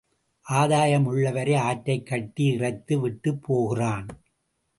ஆதாயம் உள்ளவரை ஆற்றைக் கட்டி இறைத்து விட்டுப் போகிறான்.